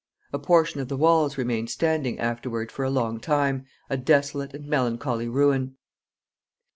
A portion of the walls remained standing afterward for a long time, a desolate and melancholy ruin.